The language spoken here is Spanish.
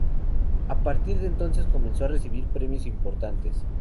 A partir de entonces comenzó a recibir premios importantes.